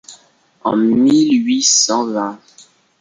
En mille huit cent vingt